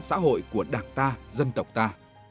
phát triển xã hội của đảng ta dân tộc ta